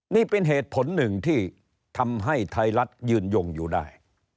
นี่เป็นเหตุผลหนึ่งที่ทำให้ไทยรัฐยืนยงอยู่ได้